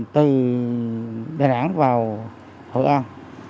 từ đà nẵng vào hội an